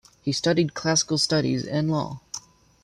He studied classical studies and law.